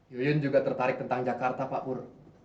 yuyun juga tertarik tentang jakarta pak pur